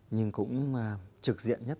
nhưng cũng trực diện nhất